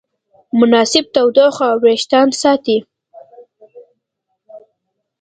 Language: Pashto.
مناسب تودوخه وېښتيان ساتي.